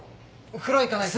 風呂行かないと。